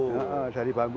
iya dari bambu